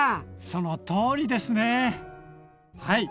そのとおりですねはい。